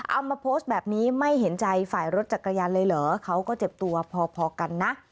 เอามาโพสต์แบบนี้ไม่เห็นใจฝ่ายรถจักรยานเลยเหรอเขาก็เจ็บตัวพอกันนะ